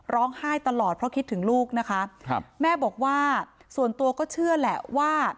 ร้องไห้ตลอดเพราะคิดถึงลูกนะคะครับแม่บอกว่าส่วนตัวก็เชื่อแหละว่า